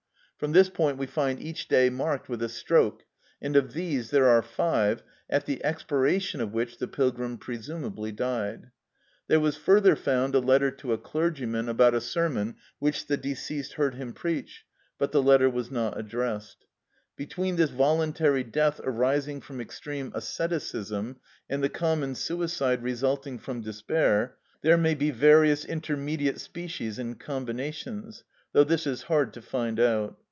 From this point we find each day marked with a stroke, and of these there are five, at the expiration of which the pilgrim presumably died. There was further found a letter to a clergyman about a sermon which the deceased heard him preach, but the letter was not addressed." Between this voluntary death arising from extreme asceticism and the common suicide resulting from despair there may be various intermediate species and combinations, though this is hard to find out.